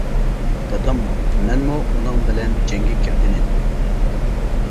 داداممۇ، مەنمۇ ئۇنىڭ بىلەن جەڭگە كىرگەنىدۇق.